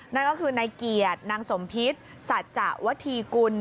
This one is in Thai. นั่นก็คือนายเกียรตินางสมพิษสัจจะวธีกุล